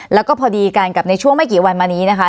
แล้วก็พอดีกันกับในช่วงไม่กี่วันมานี้นะคะ